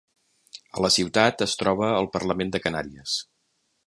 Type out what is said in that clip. A la ciutat es troba el Parlament de Canàries.